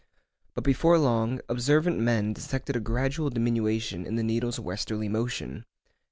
But before long observant men detected a gradual diminution in the needle's westerly motion.